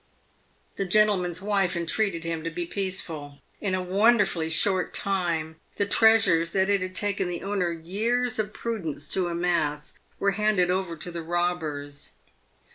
The gentle man's wife entreated him to be peaceful. In a wonderfully short time, the treasures that it had taken the owner years of prudence to amass were handed over to the robbers.